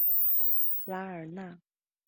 拉尔纳。